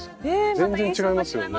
全然違いますよね